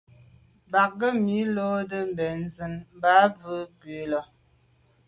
Bə̌k gə̀ mə́ lódə́ bə̀ncìn mbā bū cʉ lá.